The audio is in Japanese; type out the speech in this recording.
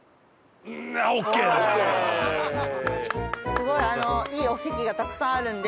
すごいいいお席がたくさんあるので。